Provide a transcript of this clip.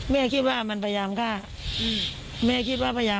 แม่คิดว่ามันพยามฆ่า